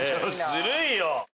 ずるいよ！